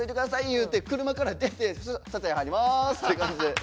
言うて車から出て撮影入りますって感じで。